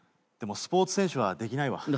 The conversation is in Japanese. でもスポーツ選手はできないわ。